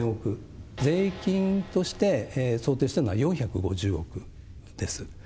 税金として想定しているのは４５０億です。